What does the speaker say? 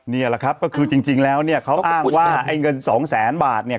นี่แหละครับก็คือจริงแล้วเนี่ยเขาอ้างว่าไอ้เงินสองแสนบาทเนี่ย